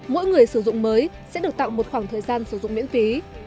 mỗi người sử dụng mới sẽ được tạo một khoảng thời gian sử dụng miễn phí